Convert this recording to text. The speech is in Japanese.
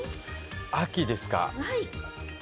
秋ですか？